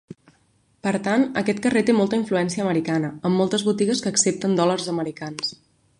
Per tant, aquest carrer té molta influència americana, amb moltes botigues que accepten dòlars americans.